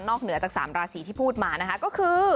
นอกเหนือจาก๓ราศีที่พูดมาก็คือ